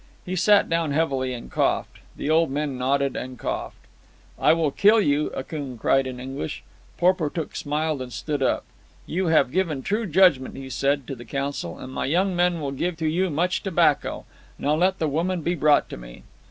He sat down heavily, and coughed. The old men nodded and coughed. "I will kill you," Akoon cried in English. Porportuk smiled and stood up. "You have given true judgment," he said to the council, "and my young men will give to you much tobacco. Now let the woman be brought to me."